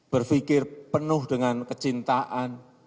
berpikir penuh dengan kecintaan